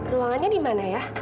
ruangannya di mana ya